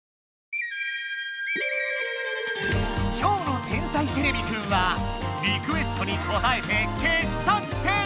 今日の「天才てれびくん」はリクエストにこたえて傑作選！